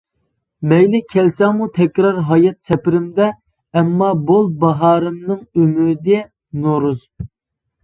مەيلى كەلسەڭمۇ تەكرار ھايات سەپىرىمدە، ئەمما بول باھارىمنىڭ ئۈمىدى نورۇز!